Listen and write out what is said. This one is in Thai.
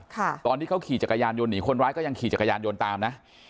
ตอนที่เขาขี่จักรยานยนต์หนีคนร้ายก็ยังขี่จักรยานยนต์ตามนะ